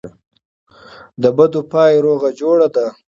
دبدو پای روغه جوړه ده.